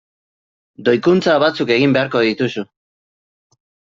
Doikuntza batzuk egin beharko dituzu.